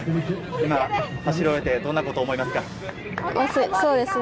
今走り終えて、どんなことを思いますか？